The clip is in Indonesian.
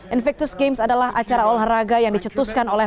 invictus games adalah acara olahraga yang dicetuskan oleh